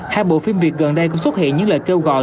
hai bộ phim việt gần đây cũng xuất hiện những lời kêu gọi